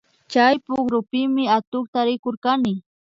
Chay pukrupimi atukta rikurkani